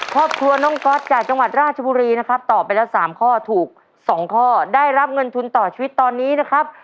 ครอบครัวน้องก๊อตจากจังหวัดราชบุรีนะครับตอบไปแล้ว๓ข้อถูก๒ข้อได้รับเงินทุนต่อชีวิตตอนนี้นะครับ